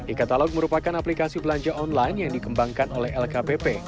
e katalog merupakan aplikasi belanja online yang dikembangkan oleh lkpp